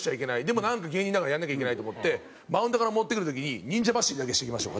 でもなんか芸人だからやらなきゃいけないと思ってマウンドから戻ってくる時に忍者走りだけしてきました